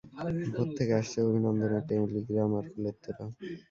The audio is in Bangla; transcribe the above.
ভোর থেকে আসছে অভিনন্দনের টেলিগ্রাম, আর ফুলের তোড়া।